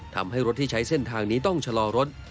ทำให้รถที่ใช้เส้นทางนี้ต้องชะลอรถ